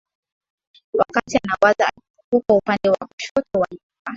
Wakati anawaza alizunguka upande wa kushoto wa nyumba